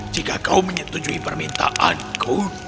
jika kau menyetujui permintaanku